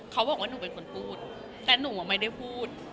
เขาบอกว่าหนูเป็นคนพูดแต่หนูไม่ได้พูด